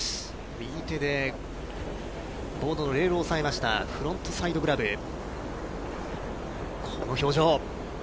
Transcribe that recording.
右手でボードのレールをおさえましたフロントサイドグラブ、この表情。